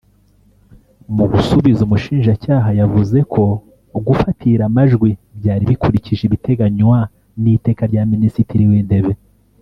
Mu gusubiza umushinjacyaha yavuze ko gufatira amajwi byari bikurikije ibiteganywa n’iteka rya Minisitiri w’Intebe